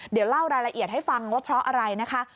เดี๋ยวเล่ารายละเอียดให้ฟังว่าเพราะอะไรนะคะ